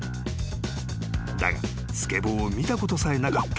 ［だがスケボーを見たことさえなかっ